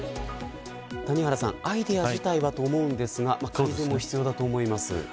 谷原さん、アイデア自体はと思うんですが改善も必要だと思います。